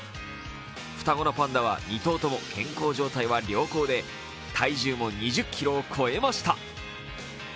双子のパンダは２頭とも健康状態は良好で体重も２０ｋｇを超えました。